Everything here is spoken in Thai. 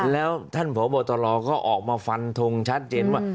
แล้วท่านพบตรก็ออกมาฟันทงชัดเจนว่า